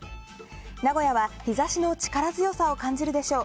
名古屋は日差しの力強さを感じるでしょう。